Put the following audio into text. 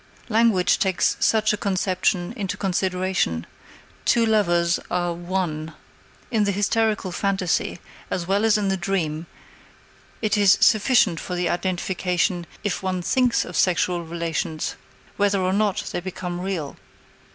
Language takes such a conception into consideration: two lovers are "one." In the hysterical phantasy, as well as in the dream, it is sufficient for the identification if one thinks of sexual relations, whether or not they become real.